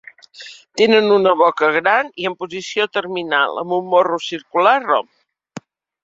Tenen una boca gran i en posició terminal, amb un morro circular rom.